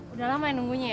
udah lama yang nunggunya ya